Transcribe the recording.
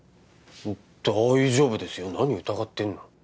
大丈夫ですよ何疑ってんの？